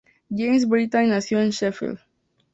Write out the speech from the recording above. James Brittain nació en Sheffield.